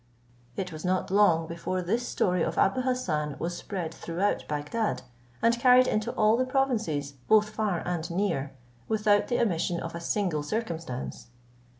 It was not long before this story of Abou Hassan was spread throughout Bagdad, and carried into all the provinces both far and near, without the omission of a single circumstance.